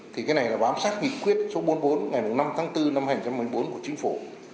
thì cái này là bám sát nghị quyết số bốn mươi bốn ngày năm tháng bốn năm hai nghìn một mươi bốn của chính phủ